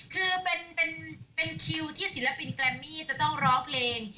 คือเป็นคิวที่ศิลปินแกรมมี่จะต้องร้องเพลง